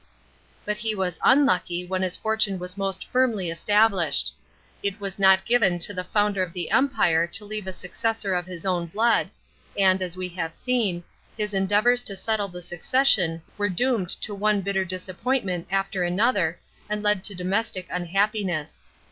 But he Wcis un« lucky when his fortune wa< most firmly established. It was nol given to the founder of the Empire to leave a successor of his own blood; and, as we have seen, his end«avours to set le the sue cession were doomed to one bitter disappointment alter another * Merivale, cap. xxxviii., ad fin. 14 A.D. DEATH OF AUGUSTUS. and led to domestic unhappiness.